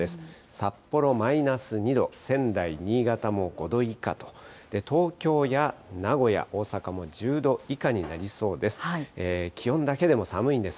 札幌、マイナス２度、仙台、新潟も５度以下と、東京や名古屋、大阪も１０度以下になりそうです。